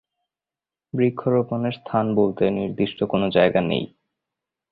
বৃক্ষরোপণের স্থান বলতে নির্দিষ্ট কোনো জায়গা নেই।